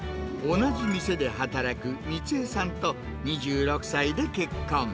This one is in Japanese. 同じ店で働く光枝さんと２６歳で結婚。